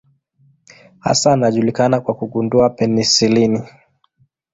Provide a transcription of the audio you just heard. Hasa anajulikana kwa kugundua penisilini.